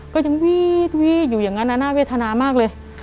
ก็ยังวีดอยู่อย่างนั้นนะน่าเวทนามากเลย